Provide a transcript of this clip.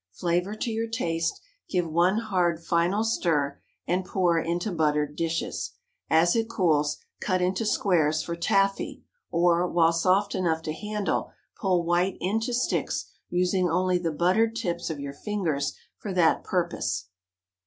Flavor to your taste, give one hard final stir, and pour into buttered dishes. As it cools, cut into squares for "taffy," or, while soft enough to handle, pull white into sticks, using only the buttered tips of your fingers for that purpose.